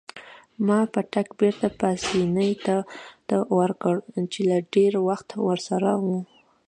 ما پتک بیرته پاسیني ته ورکړ چې له ډیر وخته ورسره وو.